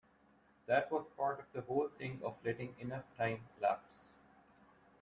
That was part of the whole thing of letting enough time lapse.